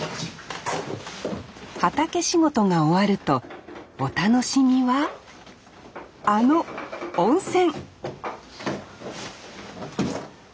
畑仕事が終わるとお楽しみはあの温泉！